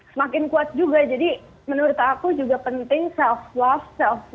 semakin kuat juga jadi menurut aku juga penting self love seel upset ada bertanggung jawab